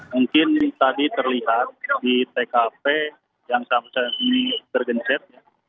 mungkin tadi terlihat di tkp yang sama sama ini tergenset